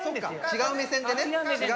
違う目線でね。